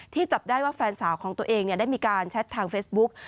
จับได้ว่าแฟนสาวของตัวเองได้มีการแชททางเฟซบุ๊ก